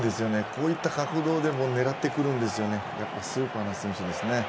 こういった角度でも狙ってくるんですよね。